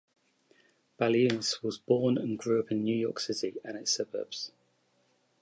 Baliunas was born and grew up in New York City and its suburbs.